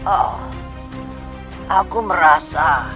oh aku merasa